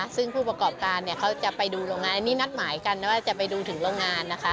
ซึ่งผู้ประกอบการเขาจะไปดูโรงงานอันนี้นัดหมายกันว่าจะไปดูถึงโรงงานนะคะ